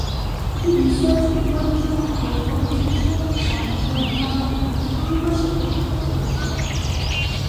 এটি research information and health communication on health নামে একটি ত্রৈমাসিক পত্রিকা প্রকাশ করে।